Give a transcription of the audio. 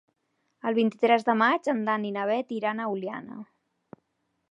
El vint-i-tres de maig en Dan i na Bet iran a Oliana.